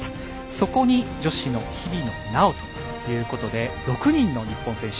そこに女子の日比野菜緒ということで６人の日本選手。